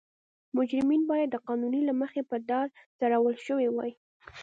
مجرمین باید د قانون له مخې په دار ځړول شوي وای.